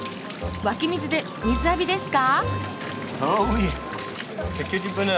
湧き水で水浴びですか？